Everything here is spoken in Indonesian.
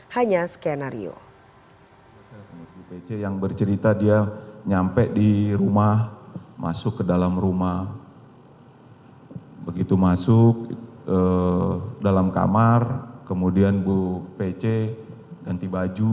hanya sempat berhenti